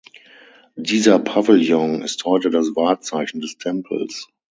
Dieser Pavillon ist heute das Wahrzeichen des Tempels.